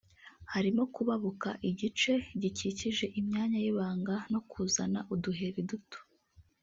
harimo kubabuka igice gikikije imyanya y’ibanga no kuzana uduheri duto